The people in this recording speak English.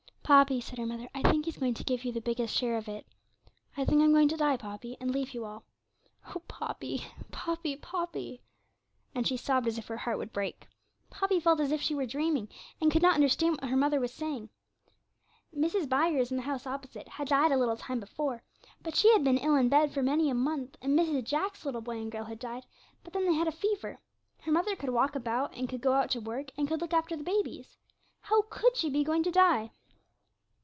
'Poppy,' said her mother, 'I think He's going to give you the biggest share of it. I think I'm going to die, Poppy, and leave you all. Oh! Poppy, Poppy, Poppy!' and she sobbed as if her heart would break. Poppy felt as if she were dreaming, and could not understand what her mother was saying. Mrs. Byres, in the house opposite, had died a little time before, but then she had been ill in bed for many a month; and Mrs. Jack's little boy and girl had died, but then they had had a fever. Her mother could walk about, and could go out to work, and could look after the babies. How could she be going to die?